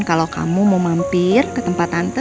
kalau kamu mau mampir ke tempat tante